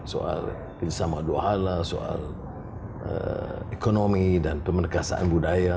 soal filsafat doa soal ekonomi dan pemberdekasaan budaya